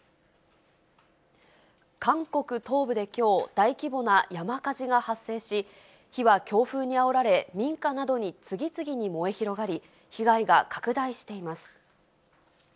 韓国東部できょう、大規模な山火事が発生し、火は強風にあおられ、民家などに次々に燃え広がり、被害が拡大しています。